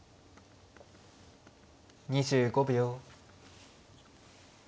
２５秒。